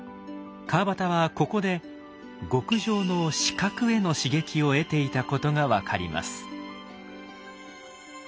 川端はここで極上の視覚への刺激を得ていたことが分かります。